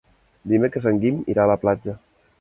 Dimecres en Guim irà a la platja.